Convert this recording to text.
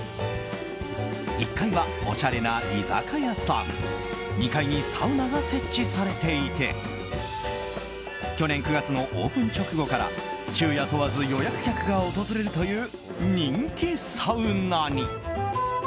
１階はおしゃれな居酒屋さん２階にサウナが設置されていて去年９月のオープン直後から昼夜問わず予約客が訪れるという人気サウナに。